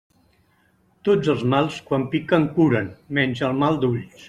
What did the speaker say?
Tots els mals quan piquen curen, menys el mal d'ulls.